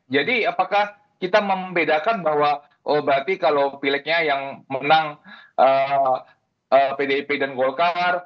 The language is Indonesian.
jadi apakah kita membedakan bahwa oh berarti kalau pileknya yang menang pdip dan golkar